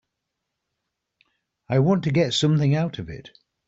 I want to get something out of it.